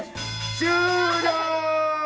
終了！